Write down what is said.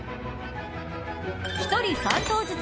１人３投ずつ。